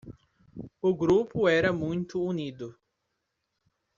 O grupo era muito unido